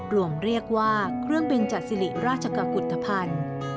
รวมเรียกว่าเครื่องบินจัดสิริราชกุฏภัณฑ์